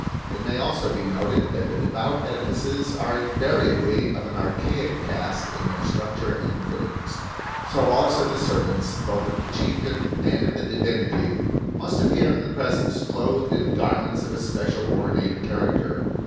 It may also be noted that the devout edifices are invariably of an archaic cast in their structure and fittings. So also the servants, both of the chieftain and of the divinity, must appear in the presence clothed in garments of a special, ornate character.